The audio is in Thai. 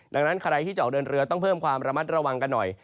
ดังนั้นใครที่จะออกเดินเรือต้องเพิ่มความระมัดระวังกันหน่อย